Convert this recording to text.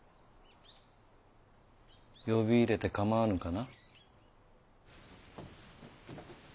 呼び入れて構わぬかな？